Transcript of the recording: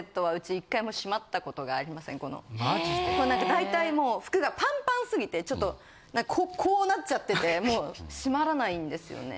大体もう服がパンパン過ぎてちょっとこうなっちゃってて閉まらないんですよね。